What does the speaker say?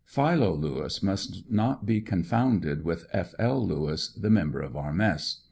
Philo Lewis must not be confounded with F. L. Lewis, the mem ber of our mess.